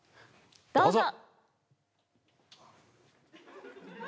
どうぞ！